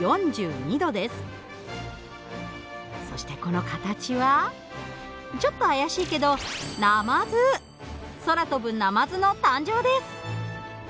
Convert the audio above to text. そしてこの形はちょっと怪しいけど空飛ぶナマズの誕生です！